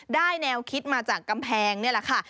แนวคิดมาจากกำแพงนี่แหละค่ะ